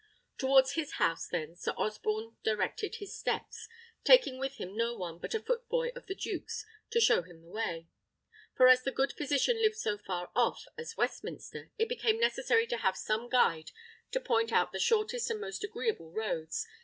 Towards his house, then, Sir Osborne directed his steps, taking with him no one but a footboy of the duke's to show him the way; for as the good physician lived so far off as Westminster, it became necessary to have some guide to point out the shortest and most agreeable roads.